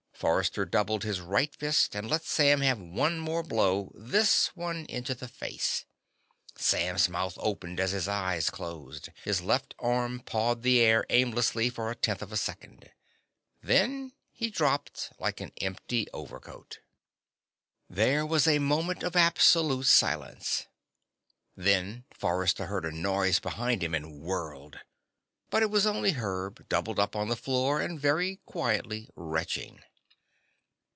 Forrester doubled his right fist and let Sam have one more blow, this one into the face. Sam's mouth opened as his eyes closed. His left arm pawed the air aimlessly for a tenth of a second. Then he dropped like an empty overcoat. There was a second of absolute silence. Then Forrester heard a noise behind him and whirled. But it was only Herb, doubled up on the floor and very quietly retching.